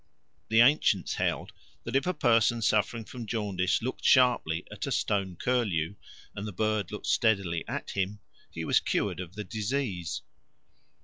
The ancients held that if a person suffering from jaundice looked sharply at a stone curlew, and the bird looked steadily at him, he was cured of the disease.